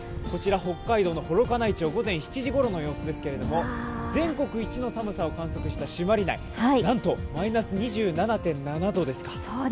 こちら北海道の幌加内町午前７時頃の様子ですけど全国一の寒さを観測した朱鞠内、なんとマイナス２７．７度ですか。